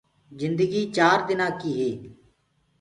جندگي چآر دنآ ڪي هي